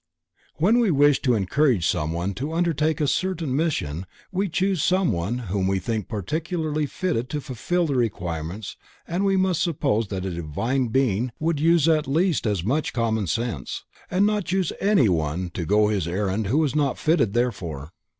When we wish to engage someone to undertake a certain mission we choose some one whom we think particularly fitted to fulfill the requirements and we must suppose that a Divine Being would use at least as much common sense, and not choose anyone to go his errand who was not fitted therefor.